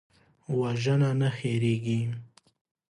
وژنه نه هېریږي